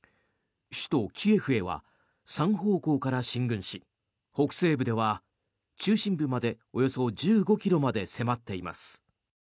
首都キエフへは３方向から進軍し北西部では、中心部までおよそ１５ｋｍまで迫っています。